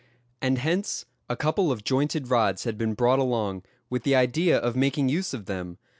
And hence a couple of jointed rods had been brought along, with the idea of making use of them.